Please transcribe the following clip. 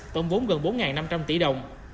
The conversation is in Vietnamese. tổng vốn gần bốn năm trăm linh tỷ đồng